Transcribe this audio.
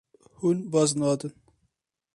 Hûn baz nadin.